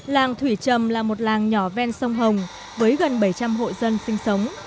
làng thủy trầm là một làng nhỏ ven sông hồng với gần bảy trăm linh hộ dân sinh sống